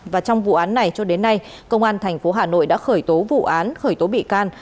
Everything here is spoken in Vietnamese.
và trong vụ án này cho đến nay công an tp hà nội đã khởi tố vụ án khởi tố bị can